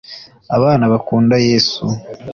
abana bakunda yesu.